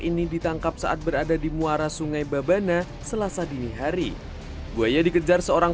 ini ditangkap saat berada di muara sungai babana selasa dini hari buaya dikejar seorang